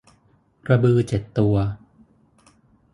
กระบือเจ็ดตัว